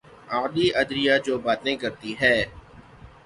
اعلی عدلیہ جو باتیں کرتی ہے۔